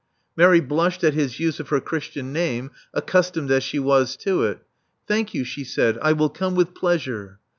Mary blushed at his use of her Christian name, accustomed as she was to it. "Thank you," she said. "I will come with pleasure."